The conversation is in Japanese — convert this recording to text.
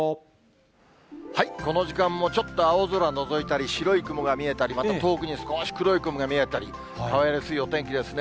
この時間もちょっと青空のぞいたり、白い雲が見えたり、また遠くに少し黒い雲が見えたり、変わりやすいお天気ですね。